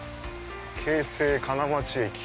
京成金町駅。